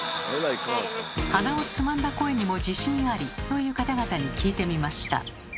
鼻をつまんだ声にも自信ありという方々に聞いてみました。